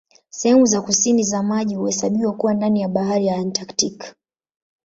Sehemu za kusini za maji huhesabiwa kuwa ndani ya Bahari ya Antaktiki.